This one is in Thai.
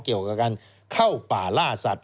เกี่ยวกับการเข้าป่าล่าสัตว